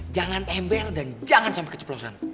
jangan embel dan jangan sampai keceplosan